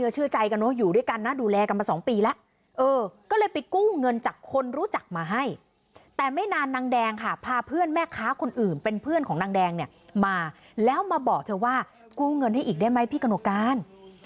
จากคนรู้จักมาให้แต่ไม่นานนางแดงค่ะพาเพื่อนแม่ค้าคนอื่นเป็นเพื่อนของนางแดงเนี่ยมาแล้วมาบอกเธอว่ากู้เงินให้อีกได้ไหมพี่กระโนการ